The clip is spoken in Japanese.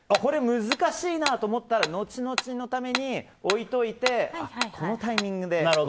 難しいなと思ったら後々のために置いておいて、このタイミングで。